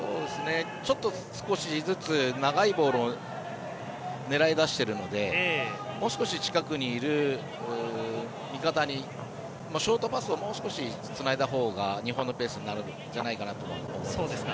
ちょっと少しずつ長いボールを狙い出してるのでもう少し近くにいる味方にショートパスをもう少しつないだほうが日本のペースになるんじゃないかと思います。